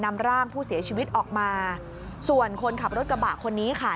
นำร่างผู้เสียชีวิตออกมาส่วนคนขับรถกระบะคนนี้ค่ะ